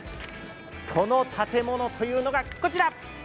その建物というのが、こちら。